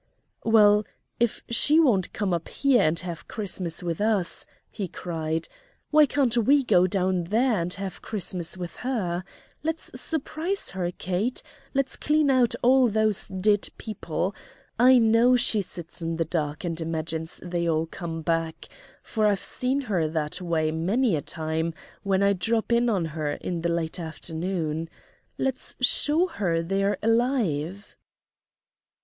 "Well, if she won't come up here and have Christmas with us," he cried, "why can't we go down there and have Christmas with her? Let's surprise her, Kate; let's clean out all those dead people. I know she sits in the dark and imagines they all come back, for I've seen her that way many a time when I drop in on her in the late afternoon. Let's show her they're alive."